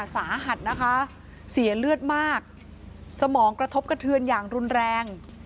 สาหัสนะคะเสียเลือดมากสมองกระทบกระเทือนอย่างรุนแรง